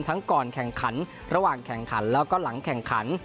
ก่อนแข่งขันระหว่างแข่งขันแล้วก็หลังแข่งขัน